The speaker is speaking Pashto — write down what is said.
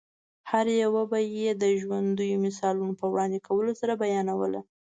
چي هره یوه به یې د ژوندییو مثالو په وړاندي کولو سره بیانوله؛